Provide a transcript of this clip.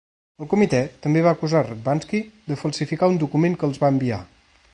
El comitè també va acusar Radwanski de falsificar un document que els va enviar.